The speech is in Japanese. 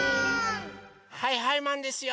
はいはいマンですよ！